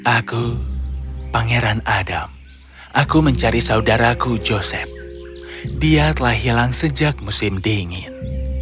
aku pangeran adam aku mencari saudaraku joseph dia telah hilang sejak musim dingin